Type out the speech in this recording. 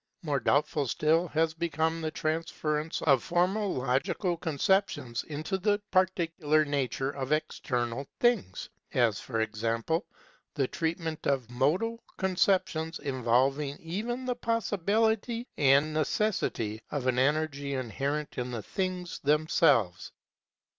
More doubtful still has become the transference of formal logical conceptions into the particular nature of external things, as, for example, the treatment of modal con ceptions involving even the possibility and necessity of an energy inherent in the things themselves.